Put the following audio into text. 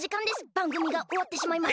ばんぐみがおわってしまいます。